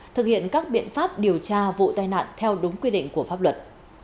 thực hiện các biện pháp điều tra vụ tai nạn theo đúng quy định của pháp luật